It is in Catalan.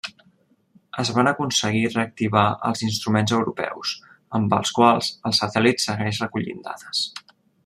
Es van aconseguir reactivar els instruments europeus, amb els quals el satèl·lit segueix recollint dades.